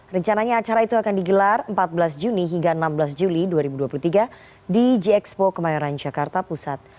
rencananya acara itu akan digelar empat belas juni hingga enam belas juli dua ribu dua puluh tiga di gxpo kemayoran jakarta pusat